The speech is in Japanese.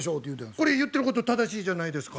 これ言ってること正しいじゃないですか。